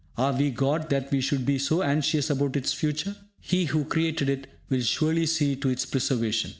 Are we God that we should be so anxious about its future? He who created it will surely see to its preservation.